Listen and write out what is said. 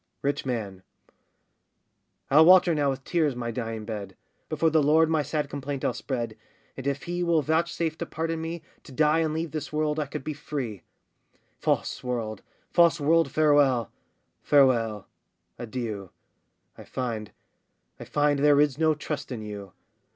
RICH MAN. I'll water now with tears my dying bed, Before the Lord my sad complaint I'll spread, And if He will vouchsafe to pardon me, To die and leave this world I could be free. False world! false world, farewell! farewell! adieu! I find, I find, there is no trust in you!